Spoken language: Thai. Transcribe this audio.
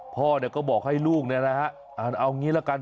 พ่อเนี่ยก็บอกให้ลูกนะฮะเอาอย่างนี้ละกัน